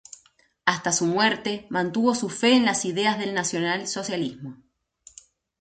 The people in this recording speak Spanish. Hasta su muerte, mantuvo su fe en las ideas del nacionalsocialismo.